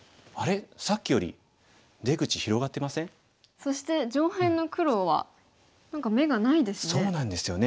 そして上辺の黒は何か眼がないですね。